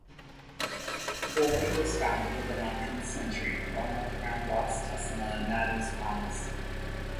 Gore was founded in the nineteenth century, growing up around "Ras" Tessema Nadew's palace.